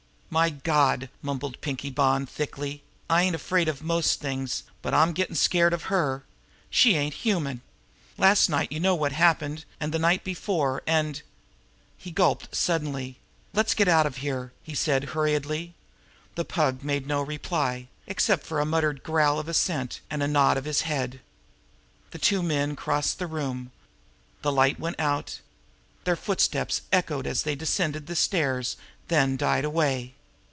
"My God!" mumbled Pinkie Bonn thickly. "I ain't afraid of most things, but I'm gettin' scared of her. She ain't human. Last night you know what happened, and the night before, and " He gulped suddenly. "Let's get out of here!" he said hurriedly. The Pug made no reply, except for a muttered growl of assent and a nod of his head. The two men crossed the room. The light went out. Their footsteps echoed back as they descended the stairs, then died away.